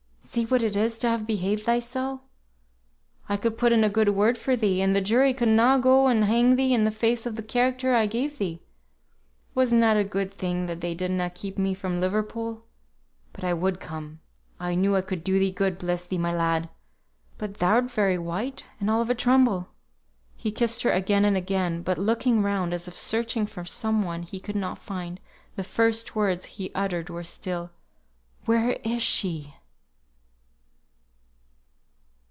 "See what it is to have behaved thysel! I could put in a good word for thee, and the jury could na go and hang thee in the face of th' character I gave thee. Was na it a good thing they did na keep me from Liverpool? But I would come; I knew I could do thee good, bless thee, my lad. But thou'rt very white, and all of a tremble." He kissed her again and again, but looking round as if searching for some one he could not find, the first words he uttered were still, "Where is she?"